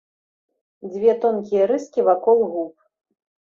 Дзве тонкія рыскі вакол губ.